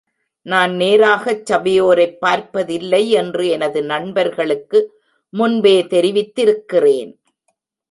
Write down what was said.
நான் நேராகச் சபையோரைப் பார்ப்பதில்லை என்று எனது நண்பர்களுக்கு முன்பே தெரிவித்திருக்கிறேன்.